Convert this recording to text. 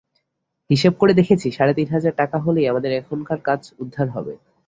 হিসেব করে দেখেছি, সাড়ে তিন হাজার টাকা হলেই আমাদের এখনকার কাজ উদ্ধার হবে।